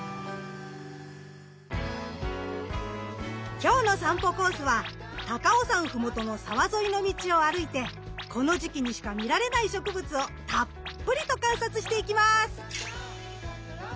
今日の散歩コースは高尾山ふもとの沢沿いの道を歩いてこの時期にしか見られない植物をたっぷりと観察していきます。